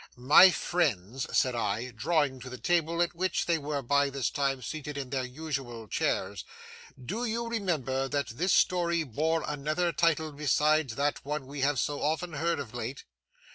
'My friends,' said I, drawing to the table, at which they were by this time seated in their usual chairs, 'do you remember that this story bore another title besides that one we have so often heard of late?